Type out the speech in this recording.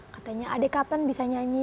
katanya adik kapan bisa nyanyi